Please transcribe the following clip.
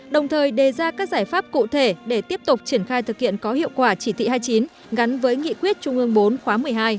đồng thời đề ra các giải pháp cụ thể để tiếp tục triển khai thực hiện có hiệu quả chỉ thị hai mươi chín gắn với nghị quyết trung ương bốn khóa một mươi hai